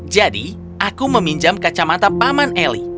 jadi aku meminjam kacamata paman eli